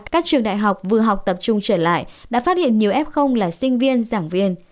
các trường đại học vừa học tập trung trở lại đã phát hiện nhiều f là sinh viên giảng viên